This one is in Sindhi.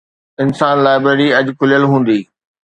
انسان، لائبريري اڄ کليل هوندي